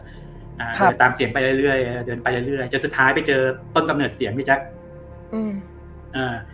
อ่าเดินตามเสียงไปเรื่อยเรื่อยเดินไปเรื่อยเรื่อยจนสุดท้ายไปเจอต้นกำเนิดเสียงพี่แจ๊คอืมอ่า